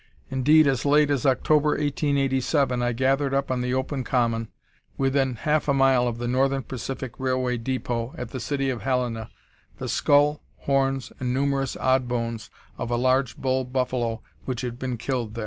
Indeed, as late as October, 1887, I gathered up on the open common, within half a mile of the Northern Pacific Railway depot at the city of Helena, the skull, horns, and numerous odd bones of a large bull buffalo which had been killed there.